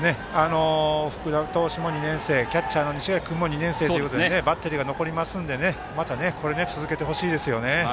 福田投手も２年生キャッチャーの西垣君も２年生ということでバッテリーが残りますのでまた続けてほしいですよね。